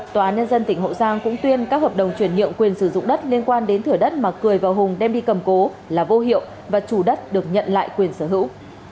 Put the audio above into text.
tòa án nhân dân tỉnh hậu giang cũng tuyên các hợp đồng chuyển nhượng quyền sử dụng đất liên quan đến thửa đất mà cười và hùng đem đi cầm cố là vô hiệu và chủ đất được nhận lại quyền sở hữu